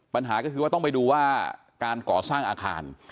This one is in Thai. ปัญหาก็คือว่าต้องไปดูว่าการก่อสร้างอาคาร